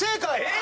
え！